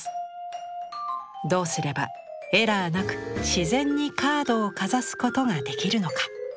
どうすればエラーなく自然にカードをかざすことができるのか？